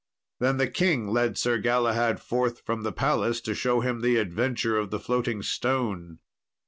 Then the king led Sir Galahad forth from the palace, to show him the adventure of the floating stone.